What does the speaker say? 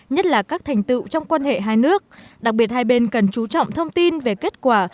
nhất là các thành tựu trong quan hệ hai nước đặc biệt hai bên cần chú trọng thông tin về kết quả